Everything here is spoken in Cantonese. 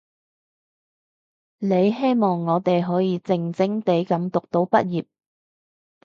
你希望我哋可以靜靜地噉讀到畢業